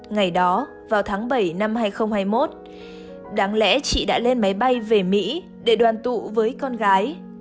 ngày đó vào tháng bảy năm hai nghìn hai mươi một đáng lẽ chị đã lên máy bay về mỹ để đoàn tụ với con gái